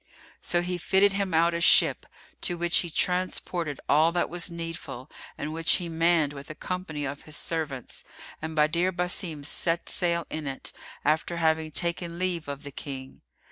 So he fitted him out a ship, to which he transported all that was needful and which he manned with a company of his servants; and Badr Basim set sail in it, after having taken leave of the King.